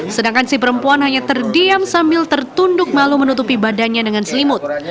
sedangkan si perempuan hanya terdiam sambil tertunduk malu menutupi badannya dengan selimut